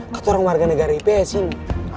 katanya warga negara ip ya sih